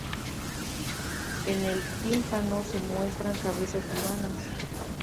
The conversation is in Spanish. En el tímpano se muestran cabezas humanas.